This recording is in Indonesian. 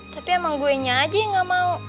tapi emang guenya aja yang gak mau